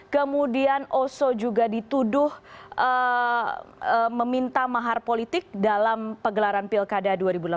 kemudian oso juga dituduh meminta mahar politik dalam pegelaran pilkada dua ribu delapan belas